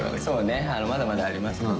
そうねまだまだあります。